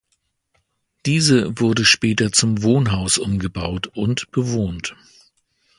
Diese wurde später zum Wohnhaus umgebaut und bewohnt.